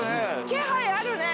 気配あるね！